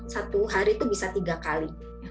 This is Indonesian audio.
satu hari itu bisa tiga kali